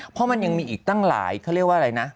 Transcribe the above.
เพราะมันยังมีอีกตั้งหลายเขาเรียกว่าอะไรนะ